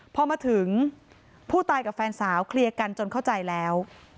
พอมาถึงผู้ตายกับแฟนสาวเคลียร์กันจนเข้าใจแล้ว